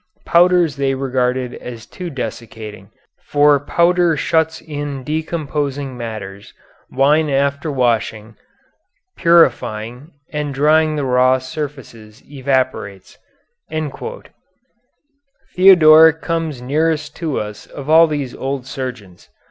Powders they regarded as too desiccating, for powder shuts in decomposing matters wine after washing, purifying, and drying the raw surfaces evaporates." Theodoric comes nearest to us of all these old surgeons.